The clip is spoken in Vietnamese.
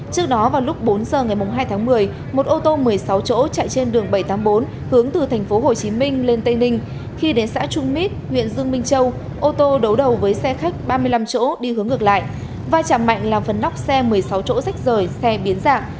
trước đó vào lúc bốn giờ ngày hai tháng một mươi một ô tô một mươi sáu chỗ chạy trên đường bảy trăm tám mươi bốn hướng từ tp hcm lên tây ninh khi đến xã trung mít huyện dương minh châu ô tô đấu đầu với xe khách ba mươi năm chỗ đi hướng ngược lại vai chạm mạnh là phần nóc xe một mươi sáu chỗ rách rời xe biến dạng